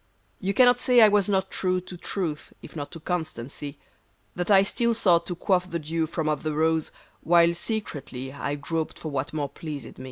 You cannot say I was not true To truth, if not to constancy ; That I still sought' to quaff the dew From off the rose, while secretly I groped for what more pleased me.